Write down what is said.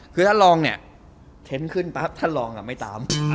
คือท่านลองเนี่ยเทนต์ขึ้นปั๊บท่านลองไม่ตาม